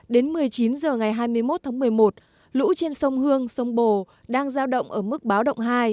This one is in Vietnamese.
đến một mươi chín h ngày hai mươi một tháng một mươi một lũ trên sông hương sông bồ đang giao động ở mức báo động hai